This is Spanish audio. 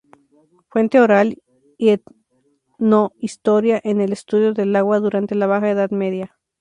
Fuente oral y etnohistoria en el estudio del agua durante la Baja Edad Media.